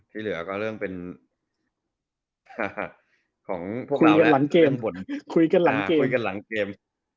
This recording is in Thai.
ที่เหลือก็เรื่องเป็นของพวกเราคุยกันหลังเกม